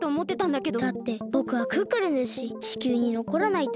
だってぼくはクックルンですし地球にのこらないと。